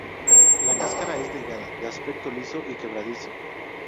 La cáscara es delgada, de aspecto liso y quebradizo.